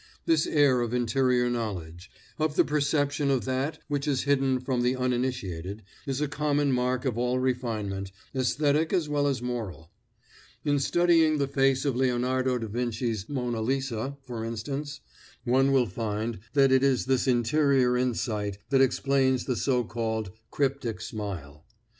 This air of interior knowledge, of the perception of that which is hidden from the uninitiated, is a common mark of all refinement, aesthetic as well as moral. In studying the face of Leonardo da Vinci's 'Mona Lisa,' for instance, one will find that it is this interior insight that explains the so called "cryptic smile."